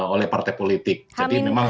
oleh partai politik jadi memang